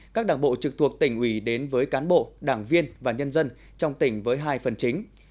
các đảng bộ trực thuộc tỉnh ủy đến với cán bộ đảng viên và nhân dân trong tỉnh với hai phần chính